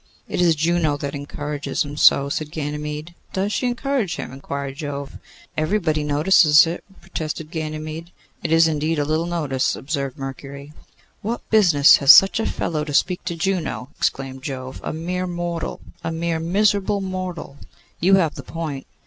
'It is Juno that encourages him so,' said Ganymede. 'Does she encourage him?' inquired Jove. 'Everybody notices it,' protested Ganymede. 'It is indeed a little noticed,' observed Mercury. 'What business has such a fellow to speak to Juno?' exclaimed Jove. 'A mere mortal, a mere miserable mortal! You have the point.